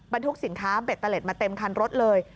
ทุกสินค้าเบตเตอร์เล็ตมาเต็มคันรถเลย